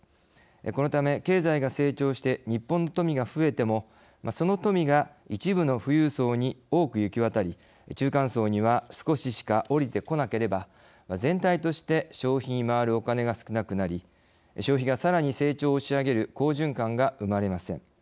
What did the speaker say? このため、経済が成長して日本の富が増えても、その富が一部の富裕層に多く行き渡り中間層には少ししか降りてこなければ全体として消費に回るお金が少なくなり消費がさらに成長を押し上げる好循環が生まれません。